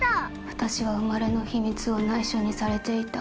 私は生まれの秘密を内緒にされていた。